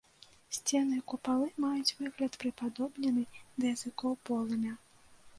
Сцены і купалы маюць выгляд прыпадобнены да языкоў полымя.